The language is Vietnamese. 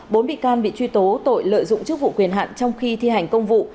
bốn bị can bị truy tố tội lợi dụng chức vụ quyền hạn trong khi thi hành công vụ